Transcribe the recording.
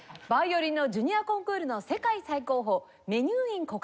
ヴァイオリンのジュニアコンクールの世界最高峰メニューイン